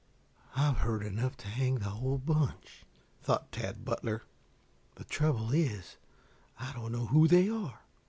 "I've heard enough to hang the whole bunch," thought Tad Butler. "The trouble is I don't know who they are.